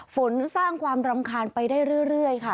ฝนสร้างความรำคาญไปได้เรื่อยค่ะ